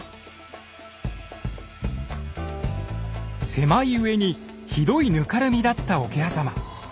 狭いうえにひどいぬかるみだった桶狭間。